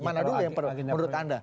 mana dulu yang menurut anda